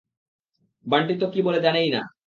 বান্টি তো কী বলে জানেই না।